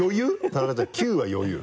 田中ちゃん９は余裕？